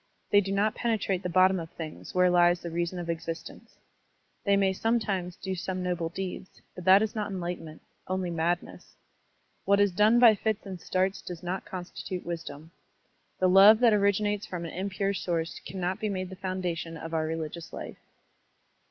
They do not penetrate the bottom of things where lies the reason of existence. They may sometimes do some noble deeds, but that is not enlightenment, only madness. What is done by fits and starts does not constitute wisdom. The love that originates from an impure source cannot be made the foundation of our religious Ufe.